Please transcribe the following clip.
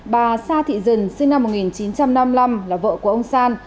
bà sa thị dân sinh năm một nghìn chín trăm năm mươi năm là vợ của ông sàn